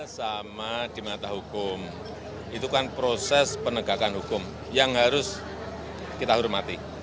sama di mata hukum itu kan proses penegakan hukum yang harus kita hormati